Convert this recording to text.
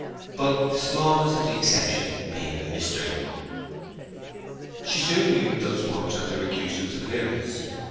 But the smallness of the exception made the mystery. She soon knew thus much of the recusant's appearance.